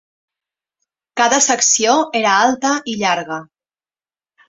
Cada secció era alta i llarga.